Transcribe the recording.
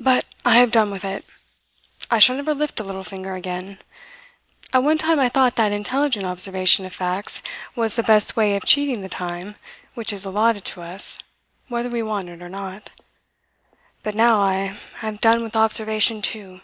But I have done with it! I shall never lift a little finger again. At one time I thought that intelligent observation of facts was the best way of cheating the time which is allotted to us whether we want it or not; but now I, have done with observation, too."